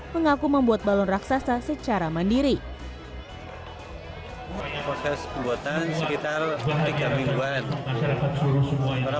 mengaku membuat balon raksasa secara mandiri proses pembuatan sekitar tiga mingguan